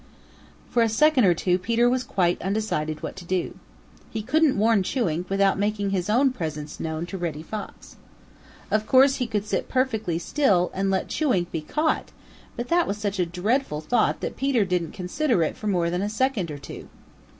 For a second or two Peter was quite undecided what to do. He couldn't warn Chewink without making his own presence known to Reddy Fox. Of course he could sit perfectly still and let Chewink be caught, but that was such a dreadful thought that Peter didn't consider it for more than a second or two.